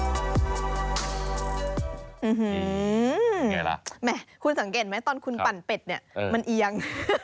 ไงล่ะแหมคุณสังเกตไหมตอนคุณปั่นเป็ดเนี่ยมันเอียง